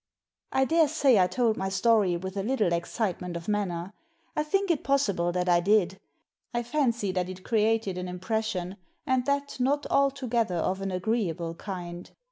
I daresay I told my story with a little excite ment of manner. I think it possible that I did. I fancy that it created an impression, and that not altogether of an agreeable kind.